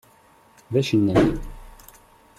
D acennay.